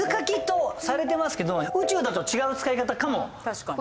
確かに。